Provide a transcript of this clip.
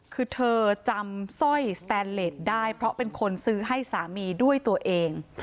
คือเธอจำสร้อยสแตนเลสได้เพราะเป็นคนซื้อให้สามีด้วยตัวเอง